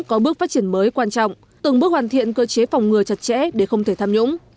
có bước phát triển mới quan trọng từng bước hoàn thiện cơ chế phòng ngừa chặt chẽ để không thể tham nhũng